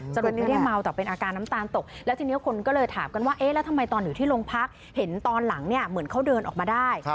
จนไม่ได้เมาแต่เป็นอาการน้ำตาลตกแล้วทีนี้คนก็เลยถามกันว่าเอ๊ะแล้วทำไมตอนอยู่ที่โรงพักเห็นตอนหลังเนี่ยเหมือนเขาเดินออกมาได้